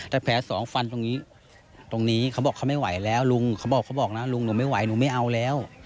แต่แผลสองฟันตรงนี้ตรงนี้เขาบอกเขาไม่ไหวแล้วลุงเขาบอกเขาบอกนะลุงหนูไม่ไหวหนูไม่เอาแล้ว